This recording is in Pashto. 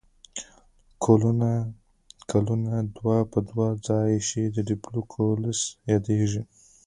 کوکونه دوه په دوه یوځای شي ډیپلو کوکس یادیږي.